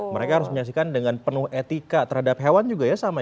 mereka harus menyaksikan dengan penuh etika terhadap hewan juga ya sama